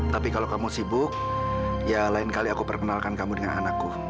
tapi kalau kamu sibuk ya lain kali aku perkenalkan kamu dengan anakku